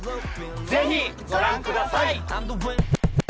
ぜひご覧ください！